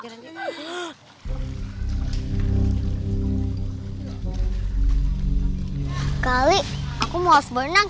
kak ali aku mau harus berenang